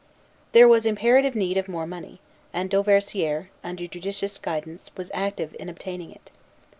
There was imperative need of more money; and Dauversière, under judicious guidance, was active in obtaining it.